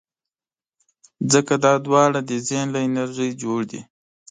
ځکه دا دواړه د ذهن له انرژۍ جوړ دي.